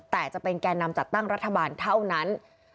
แต่จะเป็นแก่นำจัดตั้งรัฐบาลเท่านั้น